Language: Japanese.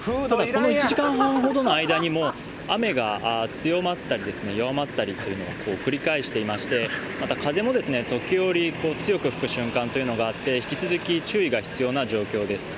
この１時間半ほどの間にも、雨が強まったり、弱まったりっていうのを繰り返していまして、また風も時折、強く吹く瞬間というのがあって、引き続き注意が必要な状況です。